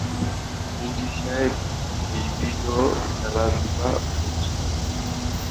ওড়িশায় বিবিধ খেলাধুলা প্রচলিত।